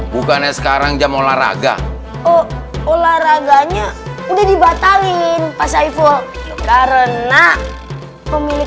bukannya sekarang jam olahraga olahraganya udah dibatalin pasai full karena pemilik